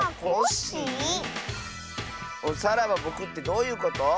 さらばぼくってどういうこと？